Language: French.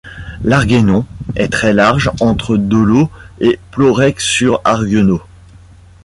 L'Arguenon est très large entre Dolo et Plorec-sur-Arguenon.